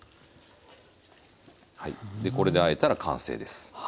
でこれであえたら完成です。